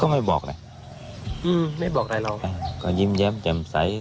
ไม่บอกด่ะก็ยิ้มย้าย